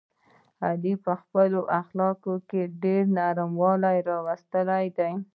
علي په خپلو اخلاقو کې ډېره نرمي راوستلې ده.